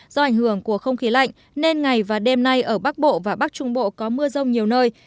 do ảnh hưởng của không khí lạnh nên ngày và đêm nay ở bắc bộ và bắc trung bộ có mưa rông nhiều nơi